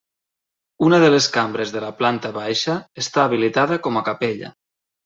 Una de les cambres de la planta baixa està habilitada com a capella.